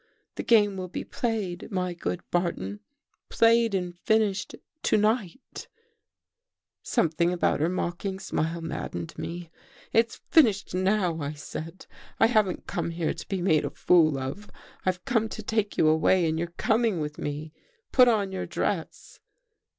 The game will be played, my good Barton — played and finished to night' " Something about her mocking smile maddened me. ' It's finished now,' I said. ' I haven't come 252 THE THIRD CONFESSION here to be made a fool of. I've come to talce you away and you're coming with me. Put on your dress.